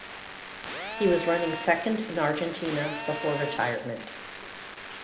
He was running second in Argentina before retirement.